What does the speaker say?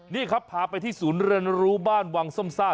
นี่ครับพาไปที่ศูนย์เรียนรู้บ้านวังส้มซ่า